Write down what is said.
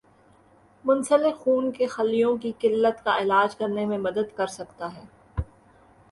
منسلک خون کے خلیوں کی قلت کا علاج کرنے میں مدد کر سکتا ہے